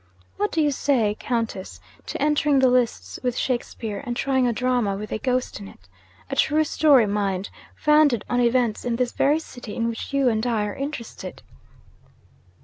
What do you say, Countess, to entering the lists with Shakespeare, and trying a drama with a ghost in it? A true story, mind! founded on events in this very city in which you and I are interested.'